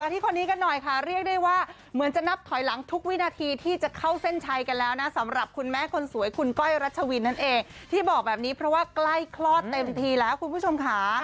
ที่คนนี้กันหน่อยค่ะเรียกได้ว่าเหมือนจะนับถอยหลังทุกวินาทีที่จะเข้าเส้นชัยกันแล้วนะสำหรับคุณแม่คนสวยคุณก้อยรัชวินนั่นเองที่บอกแบบนี้เพราะว่าใกล้คลอดเต็มทีแล้วคุณผู้ชมค่ะ